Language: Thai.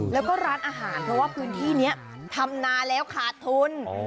แล้วก็ร้านอาหารเพราะว่าพื้นที่นี้ทำนานแล้วขาดทุน